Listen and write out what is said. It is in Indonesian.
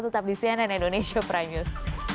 tetap di cnn indonesia prime news